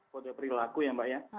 kode perilaku ya mbak ya